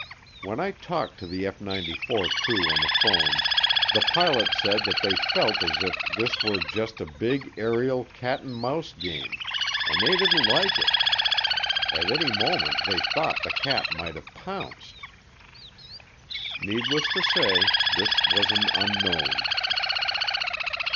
When I talked to the F 94 crew on the phone, the pilot said that they felt as if this were just a big aerial cat and mouse game and they didn't like it at any moment they thought the cat might have pounced. Needless to say, this was an unknown.